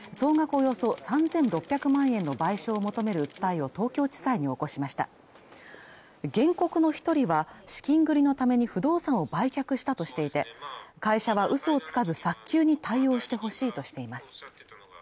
およそ３６００万円の賠償を求める訴えを東京地裁に起こしました原告の一人は資金繰りのために不動産を売却したとしていて会社は嘘をつかず早急に対応してほしいとしています